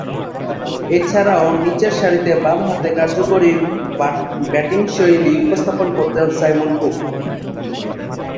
এছাড়াও, নিচেরসারিতে বামহাতে কার্যকরী ব্যাটিংশৈলী উপস্থাপন করতেন সাইমন কুক।